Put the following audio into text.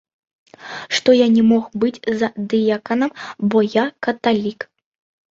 Што я не мог быць за дыякана, бо я каталік.